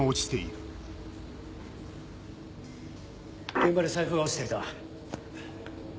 現場に財布が落ちていた。